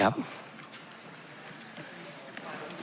๓ข้อมูล